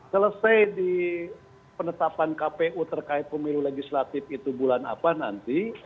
selesai di penetapan kpu terkait pemilu legislatif itu bulan apa nanti